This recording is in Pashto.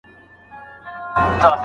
په دغه وخت کي علم پرمختګ ونه کړ.